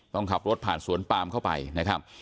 ต้องขับรถผ่านสวนปามเข้าไปนะครับ